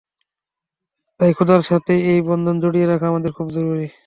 তাই খোদার সাথে এই বন্ধন জড়িয়ে রাখা আমাদের খুব জরুরি।